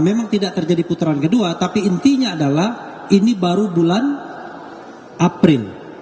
memang tidak terjadi putaran kedua tapi intinya adalah ini baru bulan april